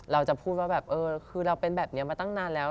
เราจะพูดว่าแบบเออคือเราเป็นแบบนี้มาตั้งนานแล้ว